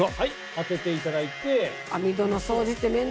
当てていただいて。